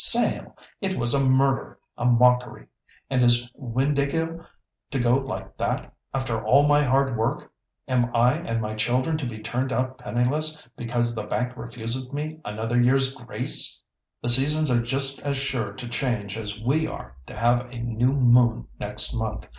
Sale! It was a murder, a mockery! And is Windāhgil to go like that, after all my hard work? Am I and my children to be turned out penniless because the bank refuses me another year's grace? The seasons are just as sure to change as we are to have a new moon next month.